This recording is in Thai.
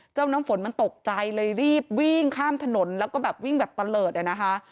น้ำฝนมันตกใจเลยรีบวิ่งข้ามถนนแล้วก็แบบวิ่งแบบตะเลิศอ่ะนะคะ